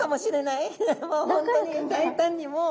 いやもう本当に大胆にもう。